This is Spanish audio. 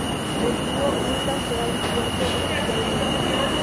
El dúo nunca se ha disuelto oficialmente.